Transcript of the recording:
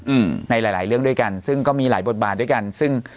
อืมในหลายหลายเรื่องด้วยกันซึ่งก็มีหลายบทบาทด้วยกันซึ่ง